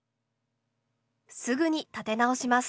すぐに立て直します。